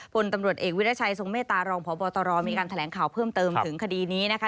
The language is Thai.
ผลตำรวจเอกวิรัชัยทรงเมตตารองพบตรมีการแถลงข่าวเพิ่มเติมถึงคดีนี้นะคะ